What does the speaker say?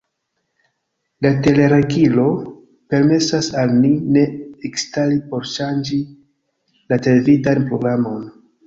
La teleregilo permesas al ni ne ekstari por ŝanĝi la televidan programon.